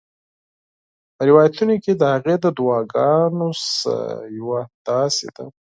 په روایتونو کې د هغې د دعاګانو څخه یوه داسي ده: